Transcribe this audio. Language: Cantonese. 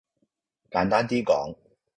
簡單啲講